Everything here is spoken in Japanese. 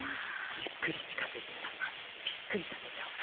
ゆっくりちかづいてさびっくりさせちゃおうよ。